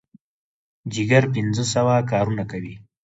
جګر پنځه سوه کارونه کوي.